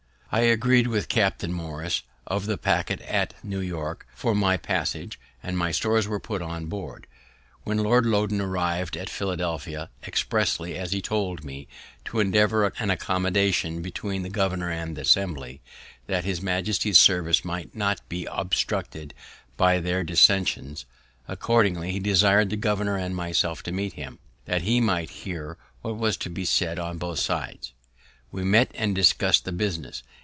I had agreed with Captain Morris, of the packet at New York, for my passage, and my stores were put on board, when Lord Loudoun arriv'd at Philadelphia, expressly, as he told me, to endeavour an accommodation between the governor and Assembly, that his majesty's service might not be obstructed by their dissensions. Accordingly, he desir'd the governor and myself to meet him, that he might hear what was to be said on both sides. We met and discussed the business.